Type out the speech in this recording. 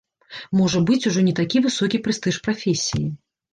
Можа быць, ужо не такі высокі прэстыж прафесіі.